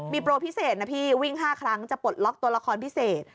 มีโปรพิเศษนะพี่วิ่ง๕ครั้งจะปลดล็อกตัวละครพิเศษ